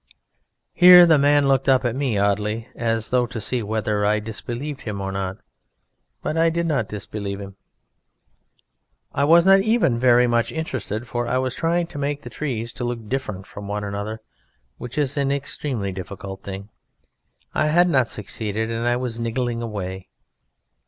Here the man looked up at me oddly, as though to see whether I disbelieved him or not; but I did not disbelieve him. I was not even very much interested, for I was trying to make the trees to look different one from the other, which is an extremely difficult thing: I had not succeeded and I was niggling away.